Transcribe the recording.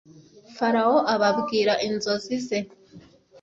farawo ababwira inzozi ze